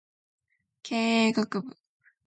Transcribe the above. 経営学部